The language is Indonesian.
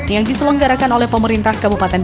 yang diselenggarakan oleh pemerintah